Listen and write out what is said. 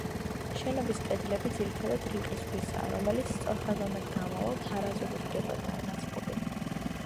შენობის კედლები ძირითადად რიყის ქვისაა, რომელიც სწორხაზოვნად გამავალ, თარაზულ რიგებადაა ნაწყობი.